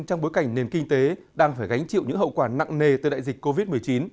trong bối cảnh nền kinh tế đang phải gánh chịu những hậu quả nặng nề từ đại dịch covid một mươi chín